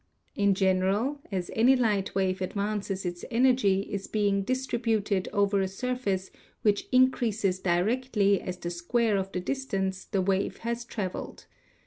In gen 76 PHYSICS eral, as any light wave advances its energy is being distributed over a surface which increases directly as the square of the distance the wave has traveled.